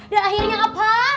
dan akhirnya apa